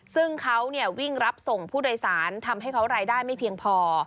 ซึ่งเขาวิ่งรับส่งผู้โดยสารทำให้เขารายได้ไม่เพียงพอ